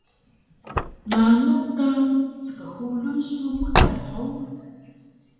Manu ka skxulun su mkan hug?